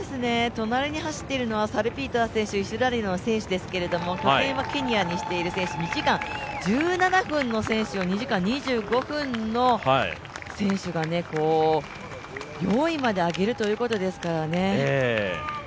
隣に走っているのはサルピーター選手、イスラエルの選手ですけども、拠点はケニアにしている選手、２時間１７分の選手を２時間２５分の選手が４位まで上げるということですからね。